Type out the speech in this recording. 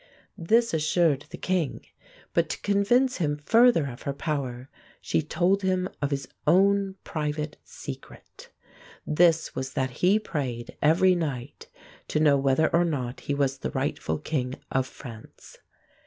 This assured the king; but to convince him further of her power, she told him of his own private secret. This was that he prayed every night to know whether or not he was the rightful king of France.